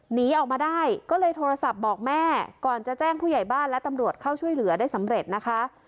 หนีออกมาได้ก็เลยโทรศัพท์บอกแม่ก่อนจะแจ้งผู้ใหญ่บ้านและตำรวจเข้าช่วยเหลือได้สำเร็จนะคะ